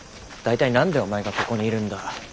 大体何でお前がここにいるんだ。